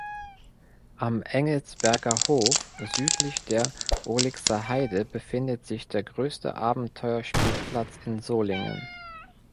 Am Engelsberger Hof südlich der Ohligser Heide befindet sich der größte Abenteuerspielplatz in Solingen.